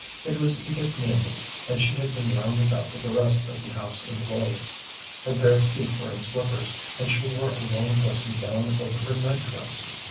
It was Edith Nealman, and she had been rounded up with the rest of the house employees. Her bare feet were in slippers, and she wore a long dressing gown over her night dress.